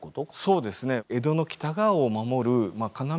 そうですね。